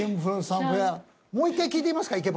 もう一回聞いてみますか？